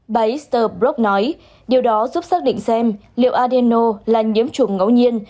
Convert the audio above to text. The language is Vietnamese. bà esther brock nói điều đó giúp xác định xem liệu adeno là nhiễm chủng ngẫu nhiên